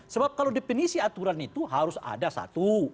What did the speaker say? sebab kalau definisi aturan itu harus ada satu